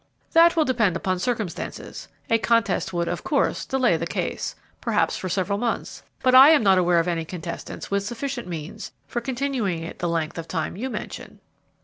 "That will depend upon circumstances. A contest would, of course, delay the case, perhaps for several months; but I am not aware of any contestants with sufficient means for continuing it the length of time you mention."